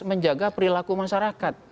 menjaga perilaku masyarakat